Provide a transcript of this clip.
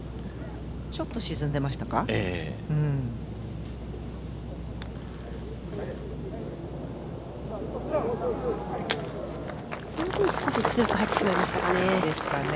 ちょっと沈んでいましたか。